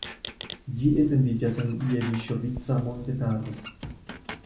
Ĝi etendiĝas en Jeviŝovica montetaro.